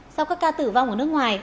sau các ca tử vong ở nước ngoài